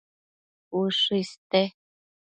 Ushë iste